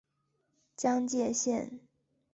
江界线